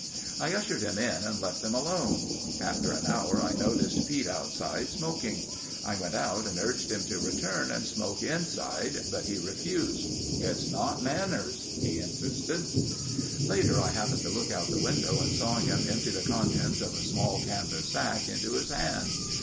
I ushered him in and left them alone. After an hour I noticed Pete outside, smoking. I went out and urged him to return and smoke inside, but he refused. "It's not manners," he insisted. Later I happened to look out the window and saw him empty the contents of a small canvas sack into his hand.